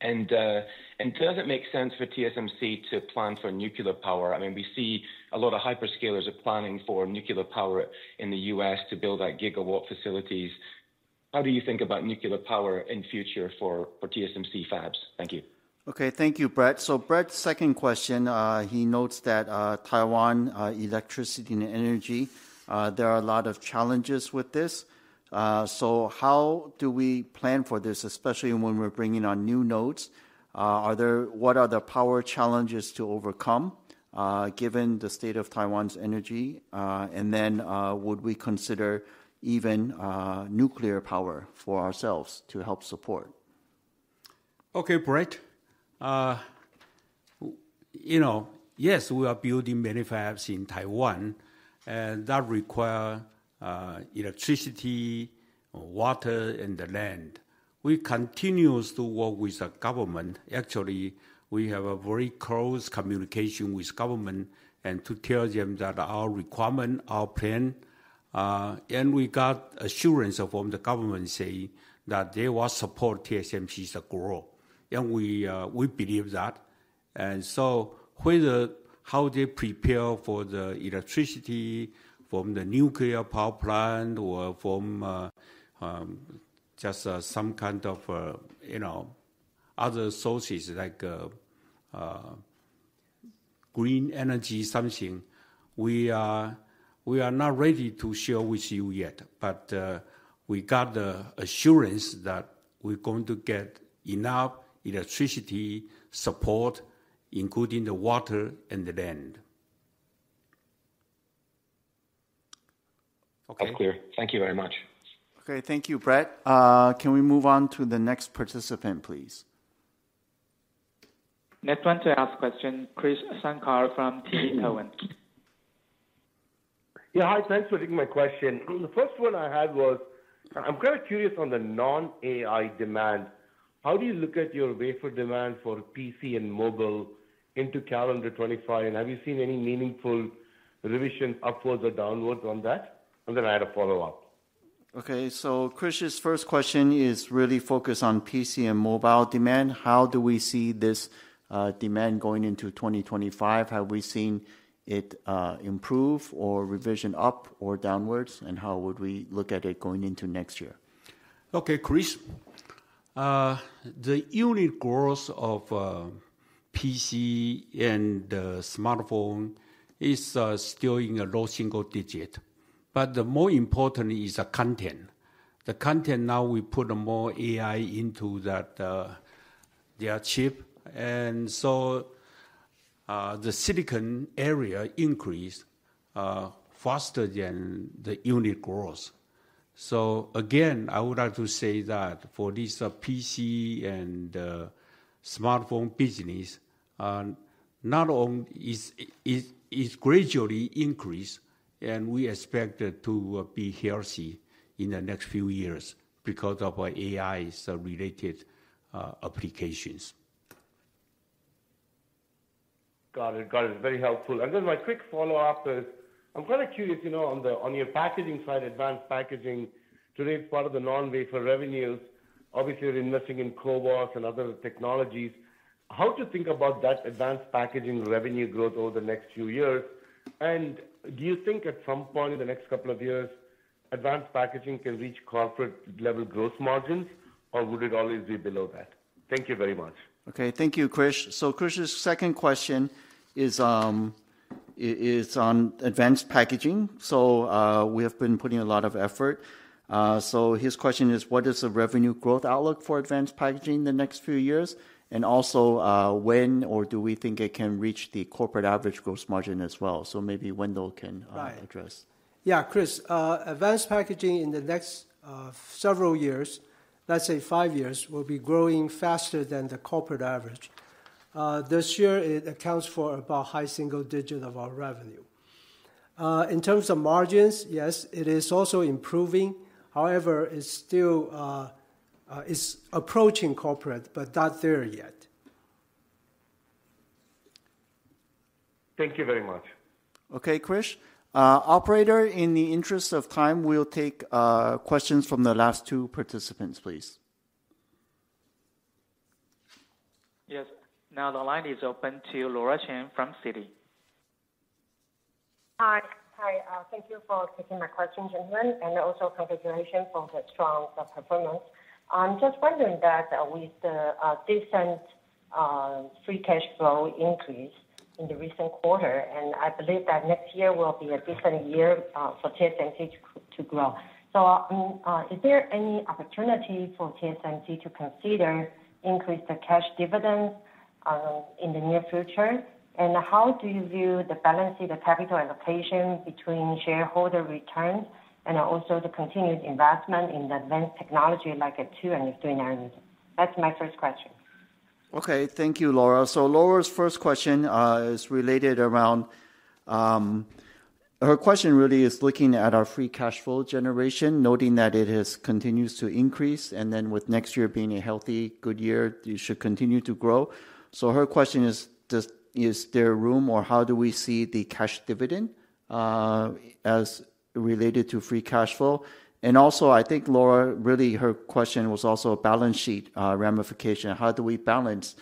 And does it make sense for TSMC to plan for nuclear power? I mean, we see a lot of hyperscalers are planning for nuclear power in the US to build out gigawatt facilities. How do you think about nuclear power in future for TSMC fabs? Thank you. Okay. Thank you, Brett. So Brett's second question, he notes that Taiwan electricity and energy there are a lot of challenges with this. So how do we plan for this, especially when we're bringing on new nodes? What are the power challenges to overcome, given the state of Taiwan's energy? And then, would we consider even nuclear power for ourselves to help support? Okay, Brett. You know, yes, we are building many fabs in Taiwan, and that require electricity, water, and the land. We continues to work with the government. Actually, we have a very close communication with government, and to tell them that our requirement, our plan, and we got assurance from the government saying that they will support TSMC's growth, and we, we believe that. And so whether how they prepare for the electricity from the nuclear power plant or from just some kind of you know other sources like green energy, something, we are not ready to share with you yet. But we got the assurance that we're going to get enough electricity support, including the water and the land. Okay. That's clear. Thank you very much. Okay. Thank you, Brett. Can we move on to the next participant, please? Next one to ask question, Krish Sankar from TD Cowen. Yeah. Hi, thanks for taking my question. The first one I had was, I'm kind of curious on the non-AI demand. How do you look at your wafer demand for PC and mobile into calendar 2025? And have you seen any meaningful revision upwards or downwards on that? And then I had a follow-up. Okay. So Krish's first question is really focused on PC and mobile demand. How do we see this demand going into 2025? Have we seen it improve or revision up or downward, and how would we look at it going into next year? Okay, Krish. The unit growth of PC and smartphone is still in a low single digit, but the more important is the content. The content now, we put more AI into that, their chip, and so, the silicon area increased faster than the unit growth. So again, I would like to say that for this, PC and smartphone business, not only is gradually increased, and we expect it to be healthy in the next few years because of AI's related applications. Got it. Got it. Very helpful. And then my quick follow-up is, I'm kind of curious, you know, on your packaging side, advanced packaging. Today, it's part of the non-wafer revenues. Obviously, you're investing in CoWoS and other technologies. How to think about that advanced packaging revenue growth over the next few years? And do you think at some point in the next couple of years, advanced packaging can reach corporate-level gross margins, or would it always be below that? Thank you very much. Okay. Thank you, Krish. So Krish's second question is on advanced packaging. So, we have been putting a lot of effort. So his question is, what is the revenue growth outlook for advanced packaging in the next few years? And also, when or do we think it can reach the corporate average gross margin as well? So maybe Wendell can, Right... address. Yeah, Krish, advanced packaging in the next several years, let's say five years, will be growing faster than the corporate average. This year, it accounts for about high single digit of our revenue. In terms of margins, yes, it is also improving. However, it's still, it's approaching corporate, but not there yet. Thank you very much. Okay, Krish. Operator, in the interest of time, we'll take questions from the last two participants, please. Yes. Now the line is open to Laura Chen from Citi.... Hi. Hi, thank you for taking my question, gentlemen, and also congratulations on the strong performance. I'm just wondering that with the decent free cash flow increase in the recent quarter, and I believe that next year will be a different year for TSMC to grow. So, is there any opportunity for TSMC to consider increase the cash dividends in the near future? And how do you view the balance sheet, the capital allocation between shareholder returns and also the continued investment in the advanced technology like a two and three nanometer? That's my first question. Okay. Thank you, Laura. So Laura's first question is related around. Her question really is looking at our free cash flow generation, noting that it has continues to increase, and then with next year being a healthy, good year, it should continue to grow. So her question is, is there room or how do we see the cash dividend as related to free cash flow? And also, I think Laura, really, her question was also a balance sheet ramification. How do we balance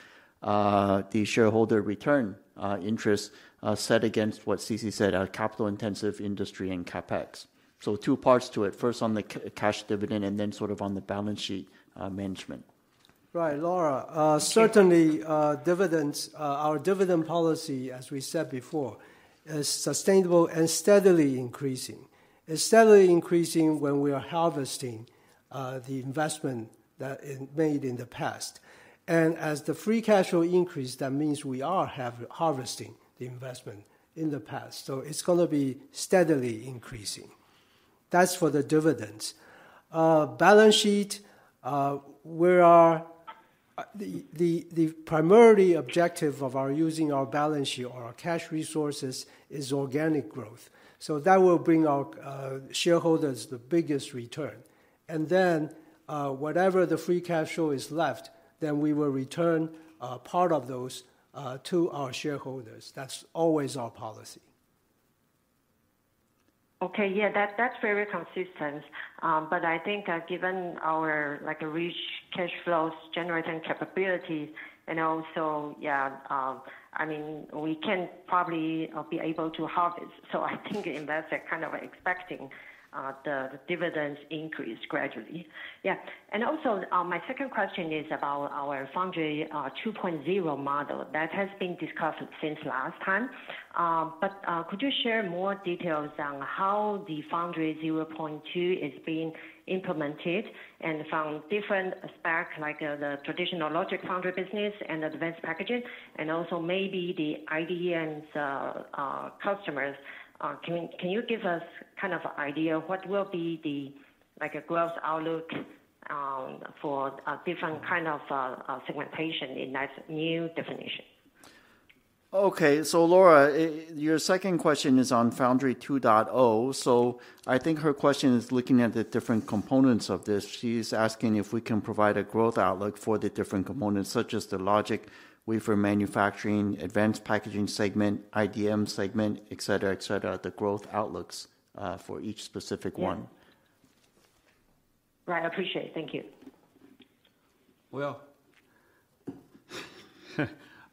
the shareholder return interest set against what C.C. said, our capital-intensive industry and CapEx? So two parts to it, first on the cash dividend and then sort of on the balance sheet management. Right, Laura, Yeah. Certainly, dividends, our dividend policy, as we said before, is sustainable and steadily increasing, and steadily increasing when we are harvesting the investment that is made in the past. And as the free cash flow increase, that means we are harvesting the investment in the past, so it's gonna be steadily increasing. That's for the dividends. Balance sheet, we are the primary objective of our using our balance sheet or our cash resources is organic growth, so that will bring our shareholders the biggest return. And then, whatever the free cash flow is left, then we will return part of those to our shareholders. That's always our policy. Okay, yeah, that, that's very consistent. But I think, given our, like, rich cash flows generating capabilities and also, yeah, I mean, we can probably be able to harvest. So I think investors are kind of expecting the dividends increase gradually. Yeah. And also, my second question is about our Foundry 2.0 model. That has been discussed since last time, but could you share more details on how the Foundry 2.0 is being implemented and from different aspects like the traditional logic foundry business and advanced packaging, and also maybe the IDM's customers? Can you give us kind of an idea what will be the, like, a growth outlook for different kind of segmentation in that new definition? Okay, so Laura, your second question is on Foundry 2.0. So I think her question is looking at the different components of this. She's asking if we can provide a growth outlook for the different components, such as the logic, wafer manufacturing, advanced packaging segment, IDM segment, et cetera, et cetera, the growth outlooks for each specific one. Yeah. Right, I appreciate it. Thank you. Well,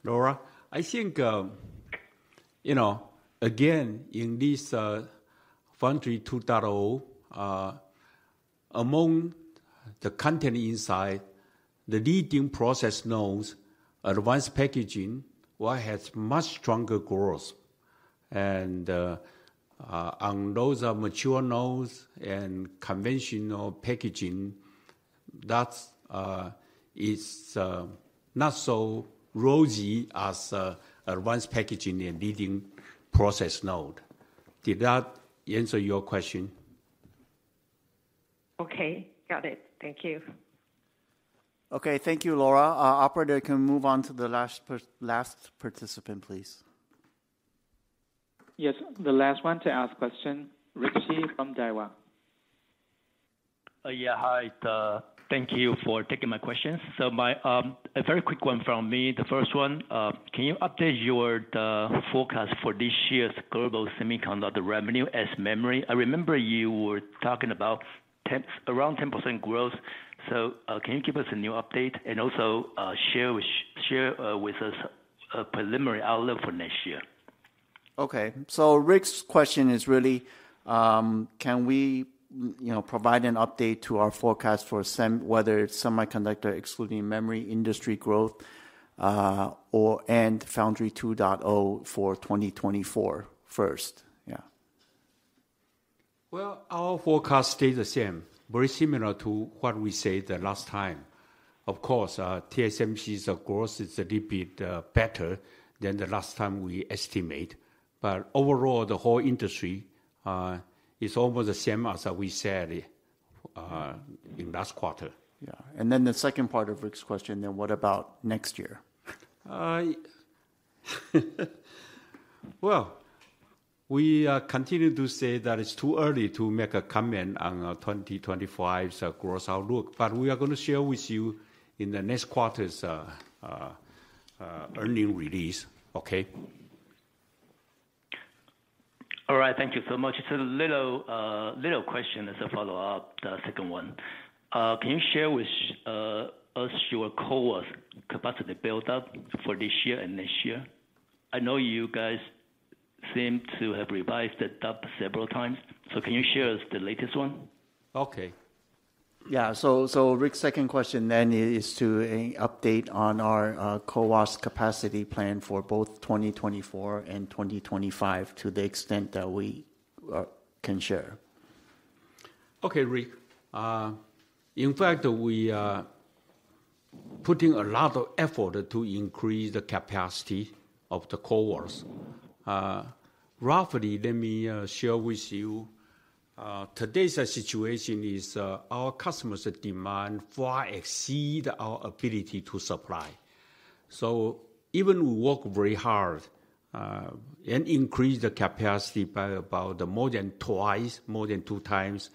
Laura, I think, you know, again, in this Foundry 2.0, among the content inside, the leading process nodes, advanced packaging, will have much stronger growth. And, on those are mature nodes and conventional packaging, that's not so rosy as advanced packaging and leading process node. Did that answer your question? Okay, got it. Thank you. Okay. Thank you, Laura. Operator, can we move on to the last part, last participant, please? Yes, the last one to ask question, Rick Hsu from Daiwa. Yeah, hi, thank you for taking my questions. So my, a very quick one from me. The first one, can you update your, the forecast for this year's global semiconductor revenue ex-memory? I remember you were talking about 10%, around 10% growth, so, can you give us a new update and also, share with us a preliminary outlook for next year? So Rick's question is really, can we, you know, provide an update to our forecast for semiconductor, excluding memory industry growth, or and Foundry 2.0 for 2024 first? Yeah. Our forecast stays the same, very similar to what we said the last time. Of course, TSMC's growth is a little bit better than the last time we estimate. But overall, the whole industry is almost the same as we said in last quarter. Yeah. And then the second part of Rick's question, then what about next year? Well, we continue to say that it's too early to make a comment on 2025's growth outlook, but we are gonna share with you in the next quarter's earnings release. Okay? All right. Thank you so much. Just a little question as a follow-up, the second one. Can you share with us your CoWoS capacity build-up for this year and next year? I know you guys seem to have revised it up several times, so can you share us the latest one? Okay. Yeah, so, so Rick's second question then is to an update on our CoWoS capacity plan for both 2024 and 2025, to the extent that we can share. Okay, Rick. In fact, we are putting a lot of effort to increase the capacity of the CoWoS. Roughly, let me share with you, today's situation is, our customers' demand far exceed our ability to supply. So even we work very hard, and increase the capacity by about more than twice, more than two times,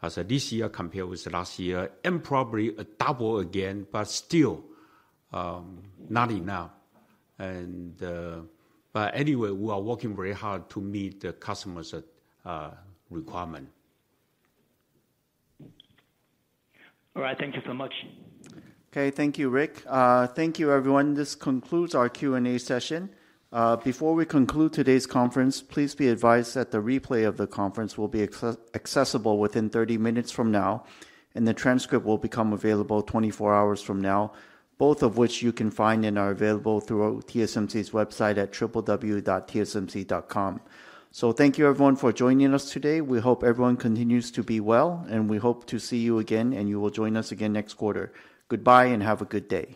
as this year compared with last year, and probably double again, but still, not enough. But anyway, we are working very hard to meet the customers' requirement. All right. Thank you so much. Okay, thank you, Rick. Thank you, everyone. This concludes our Q&A session. Before we conclude today's conference, please be advised that the replay of the conference will be accessible within 30 minutes from now, and the transcript will become available 24 hours from now, both of which you can find and are available through our TSMC's website at www.tsmc.com. So thank you, everyone, for joining us today. We hope everyone continues to be well, and we hope to see you again, and you will join us again next quarter. Goodbye, and have a good day.